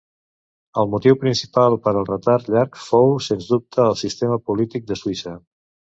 El motiu principal per al retard llarg fou sens dubte el sistema polític de Suïssa.